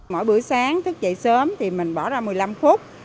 mỗi bữa sáng thức dậy sớm mình bỏ ra một mươi năm phút